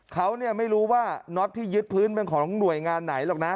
เขาไม่รู้ว่าน็อตที่ยึดพื้นเป็นของหน่วยงานไหนหรอกนะ